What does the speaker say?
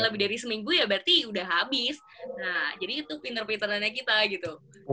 lebih dari seminggu ya berarti udah habis nah jadi itu pinter pinterannya kita gitu